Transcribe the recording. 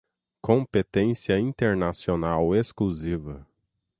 competência internacional exclusiva